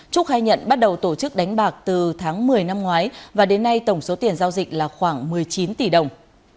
trúc khai nhận bắt đầu tổ chức đánh bạc từ tháng một mươi năm ngoái và đến nay tổng số tiền giao dịch là khoảng một mươi chín tỷ đồng